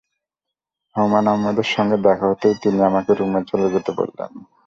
হুমায়ূন আহমেদের সঙ্গে দেখা হতেই তিনি আমাকে রুমে চলে যেতে বললেন।